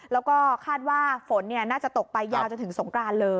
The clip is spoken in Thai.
แล้วก็คาดว่าฝนน่าจะตกไปยาวจนถึงสงกรานเลย